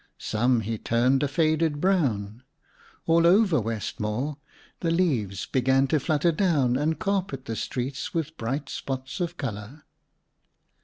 Some, he turned a faded brown. All over Westmore, the leaves began to flutter down and carpet the streets with bright spots of color.